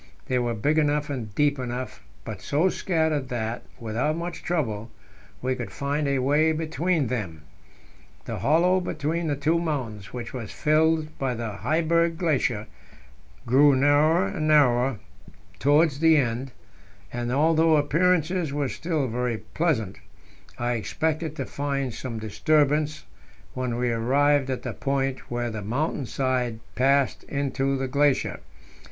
They were big enough and deep enough, but so scattered that, without much trouble, we could find a way between them. The hollow between the two mountains, which was filled by the Heiberg Glacier, grew narrower and narrower towards the end, and, although appearances were still very pleasant, I expected to find some disturbance when we arrived at the point where the mountain side passed into the glacier.